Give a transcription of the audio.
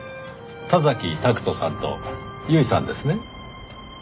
田崎拓人さんと由衣さんですね。